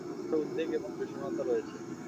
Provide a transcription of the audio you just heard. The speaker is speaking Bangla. তার উদ্বেগ এবং বিষণ্নতা রয়েছে।